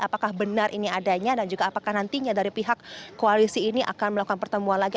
apakah benar ini adanya dan juga apakah nantinya dari pihak koalisi ini akan melakukan pertemuan lagi